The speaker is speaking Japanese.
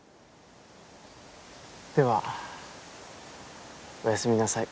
ではおやすみなさい。